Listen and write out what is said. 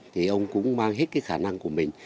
thì ông cũng mang hết cái khả năng của mình